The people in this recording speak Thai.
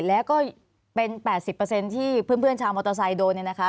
แล้วก็เป็น๘๐ที่เพื่อนชาวมอเตอร์ไซค์โดนเนี่ยนะคะ